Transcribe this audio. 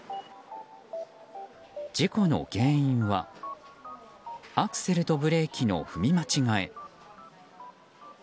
事故の原因はアクセルとブレーキの踏み間違え。